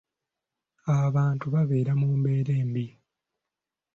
Abantu babeera mu mbeera embi.